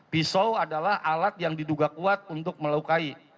pisau adalah alat yang diduga kuat untuk melukai